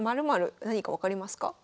何か分かりますか？